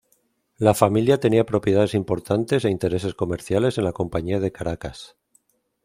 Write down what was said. La familia tenía propiedades importantes e intereses comerciales en la Compañía de Caracas.